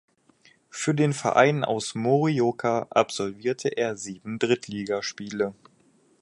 Für den Verein aus Morioka absolvierte er sieben Drittligaspiele.